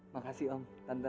makasih om tante